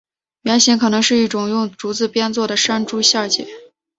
原型可能是一种用竹子制作的山猪陷阱。